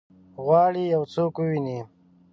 غواړي یو څوک وویني؟